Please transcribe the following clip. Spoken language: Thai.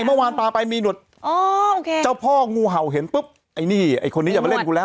เมื่อวานปลาไปมีหลุดเจ้าพ่องูเห่าเห็นปุ๊บไอ้นี่ไอ้คนนี้อย่ามาเล่นกูแล้ว